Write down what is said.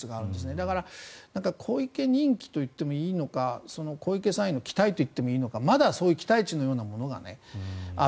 だから、小池人気といってもいいのか小池さんへの期待といってもいいのかまだそういう期待値のようなものがある。